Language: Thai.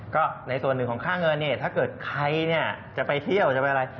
ก็ในส่วนหนึ่งของค่าเงินเนี่ยถ้าเกิดใครเนี่ยจะไปเที่ยวจะไปอะไร